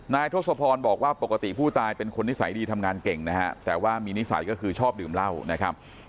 ทศพรบอกว่าปกติผู้ตายเป็นคนนิสัยดีทำงานเก่งนะฮะแต่ว่ามีนิสัยก็คือชอบดื่มเหล้านะครับ